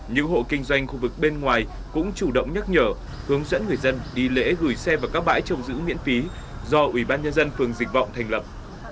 những hộ kinh doanh khu vực bên ngoài cũng chủ động nhắc nhở hướng dẫn người dân đi lễ gửi xe vào các bãi trồng giữ miễn phí do ủy ban nhân dân phường dịch vọng thành lập